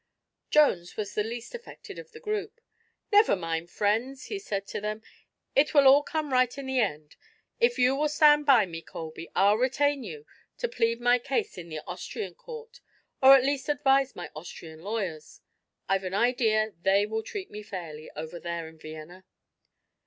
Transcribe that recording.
Jones was the least affected of the group. "Never mind, friends," he said to them, "it will all come right in the end. If you will stand by me, Colby, I'll retain you to plead my case in the Austrian court, or at least advise my Austrian lawyers. I've an idea they will treat me fairly, over there in Vienna."